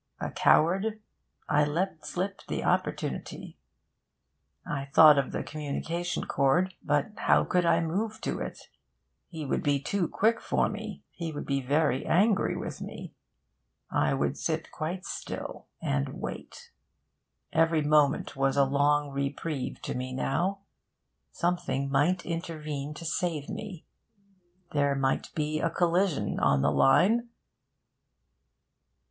A coward, I let slip the opportunity. I thought of the communication cord, but how could I move to it? He would be too quick for me. He would be very angry with me. I would sit quite still and wait. Every moment was a long reprieve to me now. Something might intervene to save me. There might be a collision on the line.